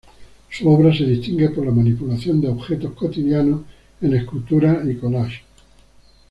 Su obra se distingue por la manipulación de objetos cotidianos en esculturas y collages.